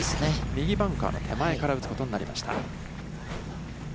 右バンカーの手前から打つことになりました。